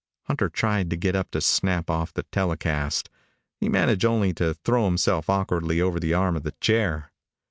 Hunter tried to get up to snap off the telecast. He managed only to throw himself awkwardly over the arm of the chair.